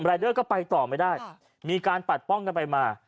เดอร์ก็ไปต่อไม่ได้มีการปัดป้องกันไปมา